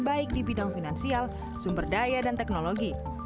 baik di bidang finansial sumber daya dan teknologi